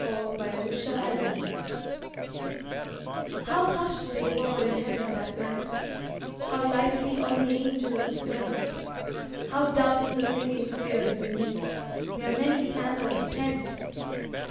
Christmas in Heaven HOW hushed they were in Heaven that night, How lightly all the angels went, How dumb the singing spheres beneath Their many candled tent!